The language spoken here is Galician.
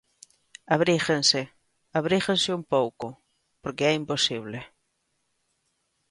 Abríguense, abríguense un pouco, porque é imposible.